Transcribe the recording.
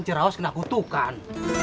cirehowes kena kutukan